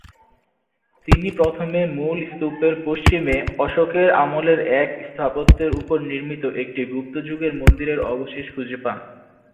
তিনি প্রথমে মূল স্তূপের পশ্চিমে অশোকের আমলের এক স্থাপত্যের ওপর নির্মিত একটি গুপ্ত যুগের মন্দিরের অবশেষ খুঁজে পান।